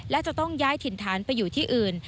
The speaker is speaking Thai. และจะต้องย้ายถิ่นฐานไปอยู่ที่อื่น